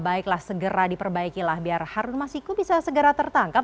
baiklah segera diperbaikilah biar harun masiku bisa segera tertangkap